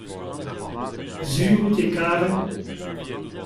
sur out e karen.